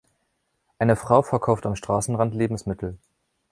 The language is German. Eine Frau verkauft am Straßenrand Lebensmittel.